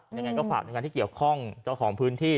อย่างนั้นก็ฝากทุกคนที่เกี่ยวข้องเจ้าของพื้นที่